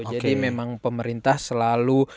jadi memang pemerintah selalu